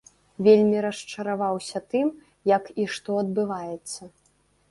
Вельмі расчараваўся тым, як і што адбываецца.